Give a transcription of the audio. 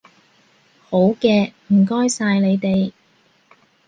好嘅，唔該曬你哋